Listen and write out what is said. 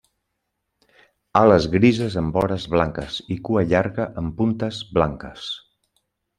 Ales grises amb vores blanques, i cua llarga amb puntes blanques.